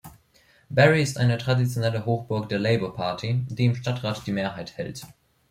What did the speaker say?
Barry ist eine traditionelle Hochburg der Labour-Party, die im Stadtrat die Mehrheit hält.